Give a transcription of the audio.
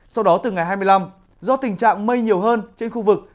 sau đó từ ngày hai mươi năm do tình trạng mây nhiều hơn trên khu vực